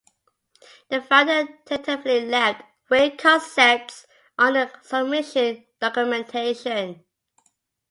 The founder tentatively left "Weird Concepts" on the submission documentation.